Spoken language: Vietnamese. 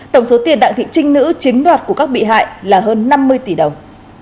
tổng số tiền đặng thị trinh nữ chiếm đoạt của các bị hại là hơn năm mươi tỷ đồng